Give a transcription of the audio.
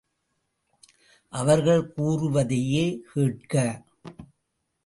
அவர்கள் கூறுவதையே கேட்க!